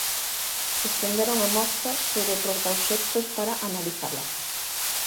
Estenderon a mostra sobre o portaobxectos para analizala.